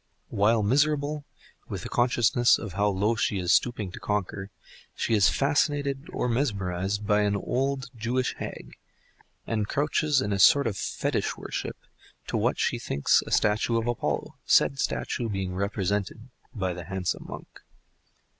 While miserable with the consciousness of how low she is stooping to conquer, she is fascinated or mesmerised by an old Jewish hag, and crouches in a sort of fetish worship to what she thinks a statue of Apollo, said statue being represented by the handsome monk.